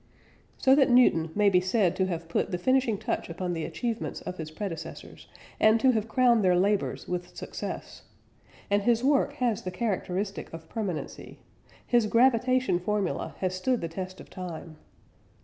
So that Newton may be said to have put the finishing touch upon the achievements of his predecessors, and to have crowned their labours with success. And his work has the characteristic of permanency: his "gravitation formula" has stood the test of time.